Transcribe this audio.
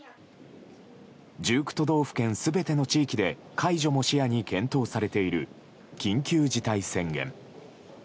１９都道府県全ての地域で解除も視野に検討されている、緊急事態宣言。